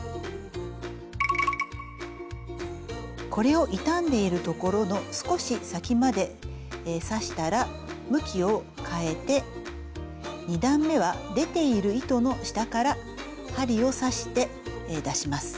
これを傷んでいる所の少し先まで刺したら向きをかえて２段めは出ている糸の下から針を刺して出します。